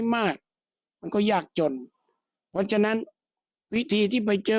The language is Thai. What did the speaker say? ก็เป็นเรื่องของความศรัทธาเป็นการสร้างขวัญและกำลังใจ